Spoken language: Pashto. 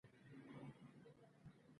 ژبې د افغانستان د بشري فرهنګ یوه برخه ده.